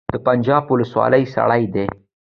د پنجاب ولسوالۍ سړه ده